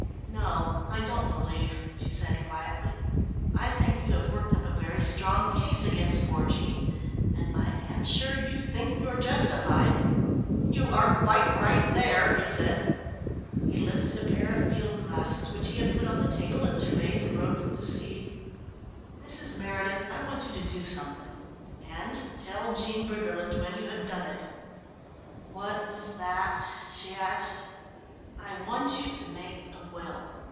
"No, I don't believe," she said quietly. "I think you have worked up a very strong case against poor Jean, and I am sure you think you're justified." "You are quite right there," he said. He lifted a pair of field glasses which he had put on the table, and surveyed the road from the sea. "Mrs. Meredith, I want you to do something and tell Jean Briggerland when you have done it." "What is that?" she asked. "I want you to make a will.